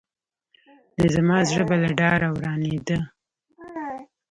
نو زما زړه به له ډاره ورانېده.